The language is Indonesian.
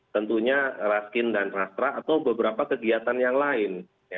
tentunya rastrin dan rastrah atau beberapa kegiatan yang lain